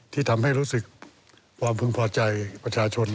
ที่ทำให้รู้สึกความพึงพอใจประชาชน